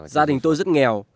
gia đình tôi rất nghèo